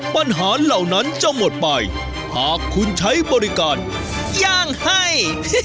ปัญหาเหล่านั้นจะหมดบ่อยหากคุณใช้บริการย่างให้